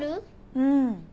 うん。